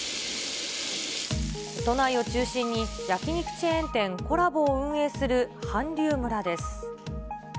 都内を中心に焼き肉チェーン店、コラボを運営する韓流村です。